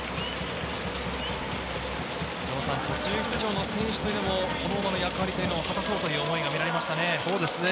城さん、途中出場の選手も、それぞれの役割を果たそうという思いが見られましたね。